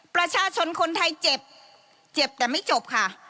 ประชาชนคนไทยเจ็บเจ็บแต่ไม่จบค่ะ